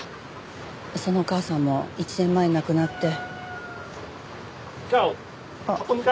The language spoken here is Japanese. そのお母さんも１年前に亡くなって。